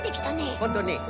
ほんとね。